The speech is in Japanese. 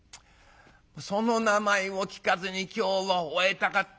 「その名前を聞かずに今日を終えたかったのに。